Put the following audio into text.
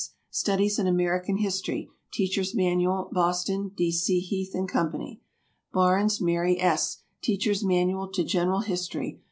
"Studies in American History: Teachers' Manual." Boston, D. C. Heath & Co. BARNES, MARY S. "Teachers' Manual to General History."